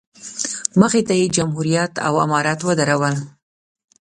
مخې ته یې جمهوریت او امارت ودرول.